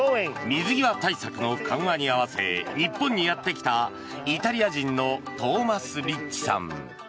水際対策の緩和に合わせ日本にやってきたイタリア人のトーマス・リッチさん。